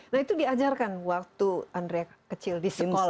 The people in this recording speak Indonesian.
nah itu diajarkan waktu andrea kecil di sekolah